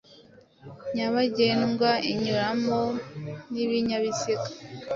nyabagendwa inyurwamo n’ibinyabiziga